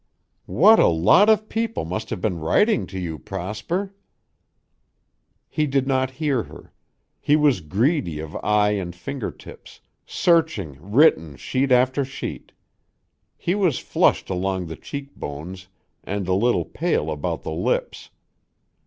"What a lot of people must have been writing to you, Prosper!" He did not hear her. He was greedy of eye and fingertips, searching written sheet after sheet. He was flushed along the cheek bones and a little pale about the lips.